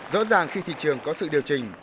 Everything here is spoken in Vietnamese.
rõ ràng khi thị trường có sự điều trình